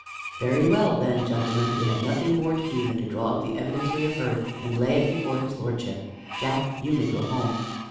"Very well, then, gentlemen, we have nothing more to do than to draw up the evidence we have heard, and lay it before his lordship. Jack, you may go home."